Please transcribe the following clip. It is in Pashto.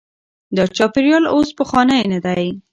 دا چاپیریال اوس پخوانی نه دی.